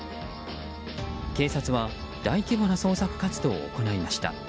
警察は大規模な捜索活動を行いました。